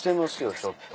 ちょっと。